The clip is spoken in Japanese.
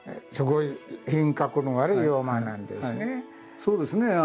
そうですね